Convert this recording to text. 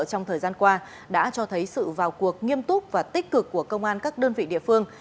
trong thời gian qua đã cho thấy sự vào cuộc nghiêm túc và tích cực của công an các đơn vị địa phương